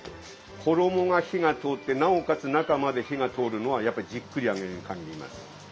衣が火が通ってなおかつ中まで火が通るのはやっぱりじっくり揚げるにかぎります。